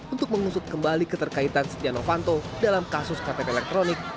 untuk mengusut kembali keterkaitan setia novanto dalam kasus ktp elektronik